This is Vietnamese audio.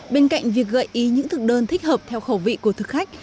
bên cạnh việc gợi ý những thực đơn thích hợp theo khẩu vị của thực khách